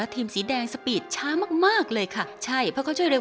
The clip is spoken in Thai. ทีมสีแดงตอนนี้ปัญหาพวกคุณคืออะไรกันครับ